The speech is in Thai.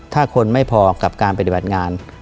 ถ้าคนไม่พอกับการปฏิบัติงาน